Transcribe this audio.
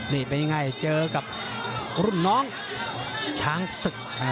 นี่เป็นยังไงเจอกับรุ่นน้องช้างศึก